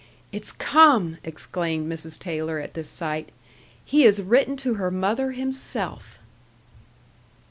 "It's come!" exclaimed Mrs. Taylor, at this sight. "He has written to her mother himself."